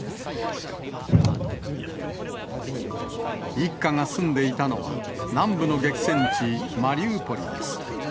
一家が住んでいたのは、南部の激戦地、マリウポリです。